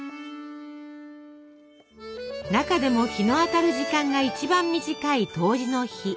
中でも日の当たる時間が一番短い「冬至」の日。